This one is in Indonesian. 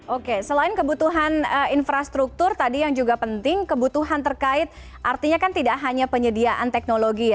oke selain kebutuhan infrastruktur tadi yang juga penting kebutuhan terkait artinya kan tidak hanya penyediaan teknologi